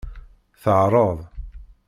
Teɛreḍ.